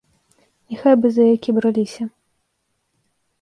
Няхай бы за які браліся.